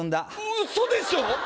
うそでしょ。